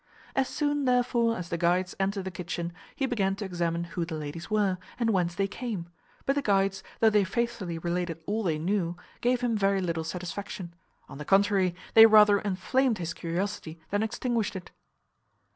As soon, therefore, as the guides entered the kitchen, he began to examine who the ladies were, and whence they came; but the guides, though they faithfully related all they knew, gave him very little satisfaction. On the contrary, they rather enflamed his curiosity than extinguished it.